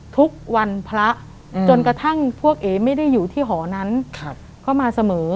ทุกวันพระจนกระทั่งพวกเอ๋ไม่ได้อยู่ที่หอนั้นเข้ามาเสมอ